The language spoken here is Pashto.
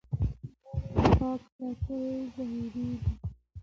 غالۍ پاک ساتل ضروري دي.